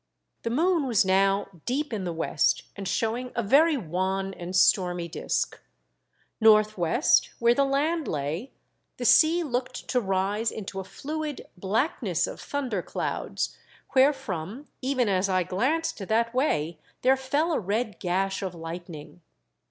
The moon was now deep in the west and showing a very wan and stormy disk. North west, where the land lay, the sea looked to rise into a fluid black I02 THE DEATH SHIP. ness of thunder clouds, wherefrom even as I glanced that way there fell a red gash of lightning.